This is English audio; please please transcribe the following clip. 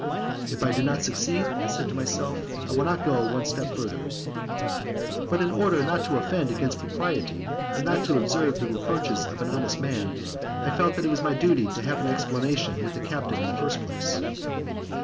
"If I do not succeed," I said to myself, "I will not go one step further." But, in order not to offend against propriety, and not to deserve the reproaches of an honest man, I felt that it was my duty to have an explanation with the captain in the first place.